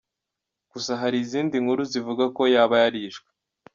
Gusa hari izindi nkuru zivuga ko yaba yarishwe.